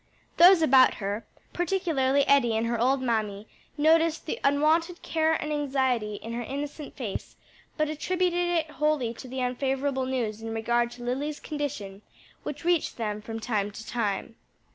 Those about her, particularly Eddie and her old mammy, noticed the unwonted care and anxiety in her innocent face, but attributed it wholly to the unfavorable news in regard to Lily's condition, which reached them from time to time.